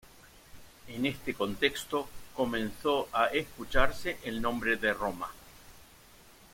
En este contexto comenzó a escucharse el nombre de Roma.